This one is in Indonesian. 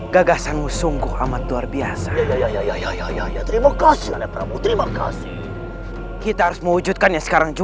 dengan memakai topeng kepanakanku